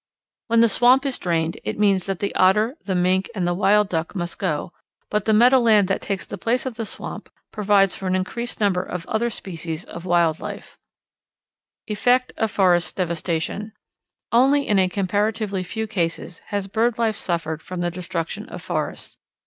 When the swamp is drained it means that the otter, the mink, and the Wild Duck must go, but the meadowland that takes the place of the swamp provides for an increased number of other species of wild life. [Illustration: Passenger Pigeons Are Now Extinct] Effect of Forest Devastation. Only in a comparatively few cases has bird life suffered from the destruction of forests.